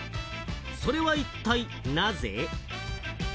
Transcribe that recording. それは一体なぜ？